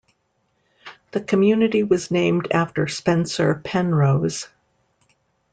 Thc community was named after Spencer Penrose.